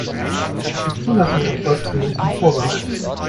Die Zulassung erfolgt zunächst mit Vorbehalt.